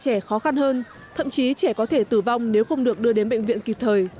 trẻ khó khăn hơn thậm chí trẻ có thể tử vong nếu không được đưa đến bệnh viện kịp thời